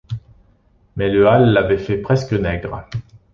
Mais le hâle l’avait fait presque nègre.